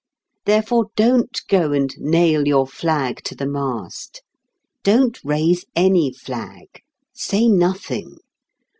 Therefore don't go and nail your flag to the mast. Don't raise any flag. Say nothing.